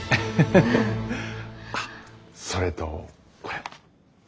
あっそれとこれ。